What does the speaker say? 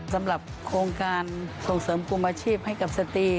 สำหรับโครงการส่งเสริมกลุ่มอาชีพให้กับสตรี